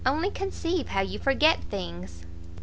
only conceive how you forget things!"